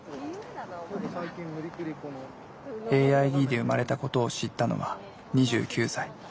ＡＩＤで生まれたことを知ったのは２９歳。